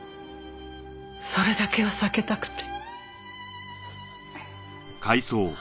それだけは避けたくて。